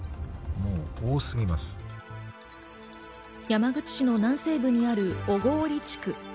山口市の南西部にある小郡地区。